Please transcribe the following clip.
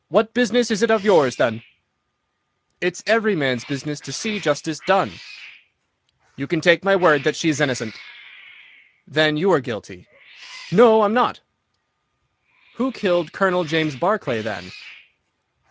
"What business is it of yours, then?" "It's every man's business to see justice done." "You can take my word that she is innocent." "Then you are guilty." "No, I am not." "Who killed Colonel James Barclay, then?"